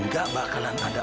saya bukan pencuri pak